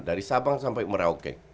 dari sabang sampai merauke